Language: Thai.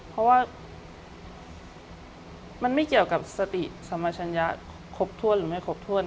เพราะว่ามันไม่เกี่ยวกับสติสัมมาชัญญะครบถ้วนหรือไม่ครบถ้วน